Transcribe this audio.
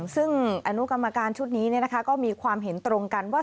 ซึ่งอนุกรรมการชุดนี้ก็มีความเห็นตรงกันว่า